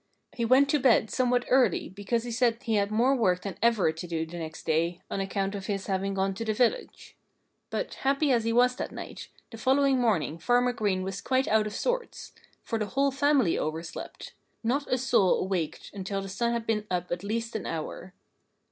He went to bed somewhat early because he said he had more work than ever to do the next day, on account of his having gone to the village. But happy as he was that night, the following morning Farmer Green was quite out of sorts. For the whole family overslept. Not a soul awaked until the sun had been up at least an hour.